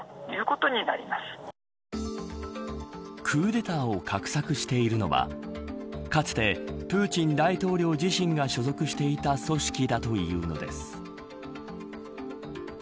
クーデターを画策しているのはかつて、プーチン大統領自身が所属していた組織だというのです。